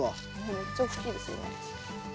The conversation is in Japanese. めっちゃ大きいですよね。